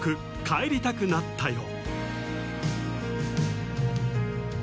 「帰りたくなったよ」